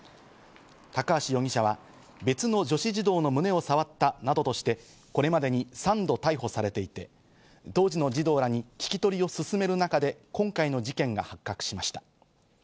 高橋容疑者は別の女子児童の胸を触ったなどとして、これまでに３度逮捕されていて、当時の児童らに聞き取りを進める中で今回の事件が発覚しました。